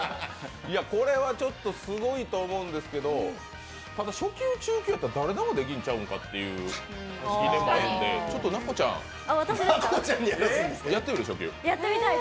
これはちょっとすごいと思うんですけど、ただ、初級、中級やったら誰でもできるんちゃうかということでちょっと奈子ちゃん、初級やってみる？